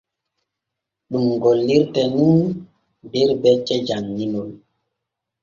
Ɗum gollirte nun der becce janŋinol f́́́́́́́.